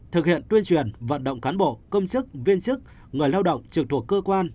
thực hiện tuyên truyền vận động cán bộ công chức viên chức người lao động trực thuộc cơ quan